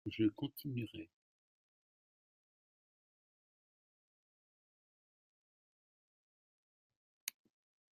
Je continuerai